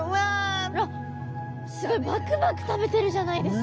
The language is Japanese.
あっすごいバクバク食べてるじゃないですか！